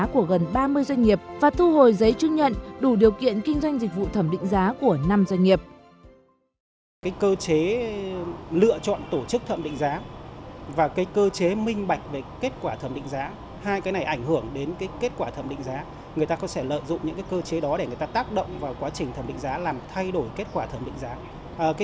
hai cái này ảnh hưởng đến kết quả thẩm định giá người ta có thể lợi dụng những cơ chế đó để người ta tác động vào quá trình thẩm định giá làm thay đổi kết quả thẩm định giá